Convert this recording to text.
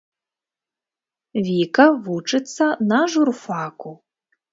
Віка вучыцца на журфаку.